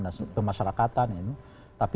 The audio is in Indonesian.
dan kemasyarakatan tapi